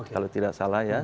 kalau tidak salah ya